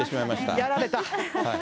やられた！